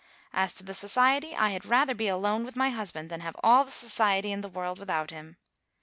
As to the society, I had rather be alone with my husband than have all the society in the world without him.